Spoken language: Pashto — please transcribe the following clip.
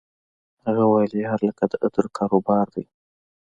هغه ویل یار لکه د عطرو کاروبار دی